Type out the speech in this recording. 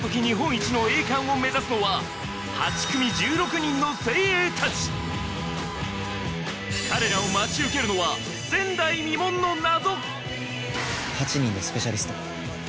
日本一の栄冠を目指すのは８組１６人の精鋭たち彼らを待ち受けるのは８人のスペシャリスト。